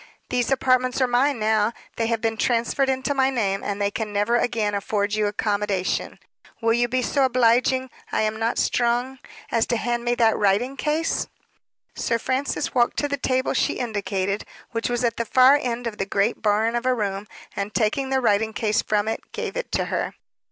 "These apartments are mine now; they have been transferred into my name, and they can never again afford you accommodation. Will you be so obliging I am not strong as to hand me that writing case?" Sir Francis walked to the table she indicated, which was at the far end of the great barn of a room, and taking the writing case from it, gave it to her.